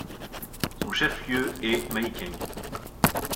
Son chef-lieu est Mahikeng.